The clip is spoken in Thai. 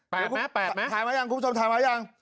แปดไหมถ่ายมายังคุณผู้ชมถ่ายมายัง